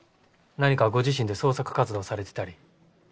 何かご自身で創作活動されてたり。